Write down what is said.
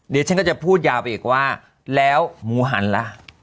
เดี๋ยวฉันก็จะพูดยาวไปอีกว่าแล้วหมูหันล่ะ